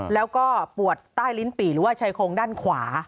แล้วก็ปวดใต้ลิ้นปี่หรือว่าชายโครงด้านขวา